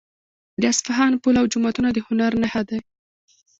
د اصفهان پل او جوماتونه د هنر نښه دي.